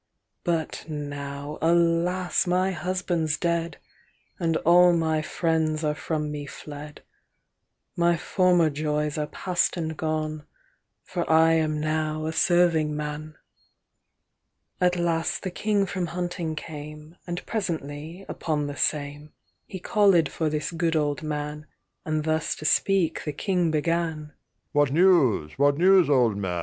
XXII'But now, alas! my husband's dead, And all my friends are from me fled; My former joys are pass'd and gone, For I am now a serving man.'XXIIIAt last the King from hunting came, And presently, upon the same, He callèd for this good old man, And thus to speak the King began:XXIV'What news, what news, old man?